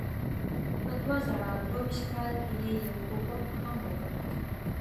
په دوه زره دوه ویشت کال کې یې یو کوښښ هم وکړ.